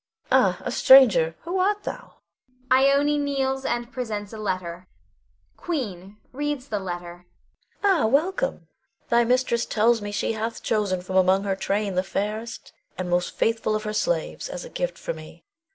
] Ah, a stranger! Who art thou? [Ione kneels and presents a letter. Queen [reads the letter]. Ah, welcome! Thy mistress tells me she hath chosen from among her train the fairest and most faithful of her slaves, as a gift for me.